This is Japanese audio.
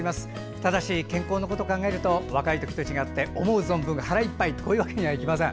ただし健康のことを考えると若いときと違って思う存分、腹いっぱいというわけにはいきません。